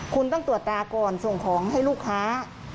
คุณต้องตรวจตาก่อนส่งของให้ลูกค้า